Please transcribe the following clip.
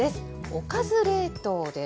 「おかず冷凍」です。